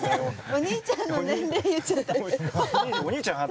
お兄ちゃんの年齢言っちゃった。